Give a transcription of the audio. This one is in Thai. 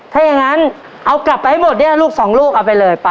ถ้าอย่างนั้นเอากลับไปให้หมดเนี่ยลูกสองลูกเอาไปเลยป้า